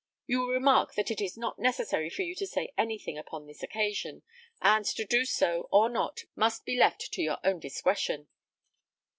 You will remark that it is not necessary for you to say anything upon this occasion, and to do so or not must be left to your own discretion."